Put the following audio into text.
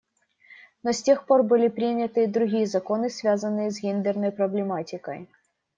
Но с тех пор были приняты и другие законы, связанные с гендерной проблематикой.